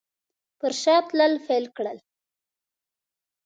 پر شا تلل پیل کړل.